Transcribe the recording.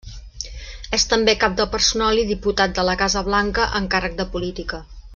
És també cap de personal i diputat de la Casa Blanca en càrrec de política.